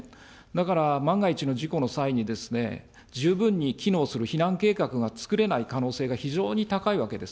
だから、万が一の事故の際に、十分に機能する避難計画がつくれない可能性が非常に高いわけです。